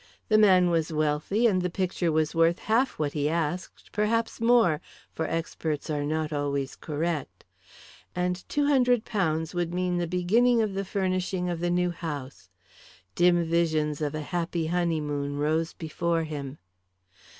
The man was wealthy, and the picture was worth half what he asked, perhaps more, for experts are not always correct. And £200 would mean the beginning of the furnishing of the new house. Dim visions of a happy honeymoon rose before him.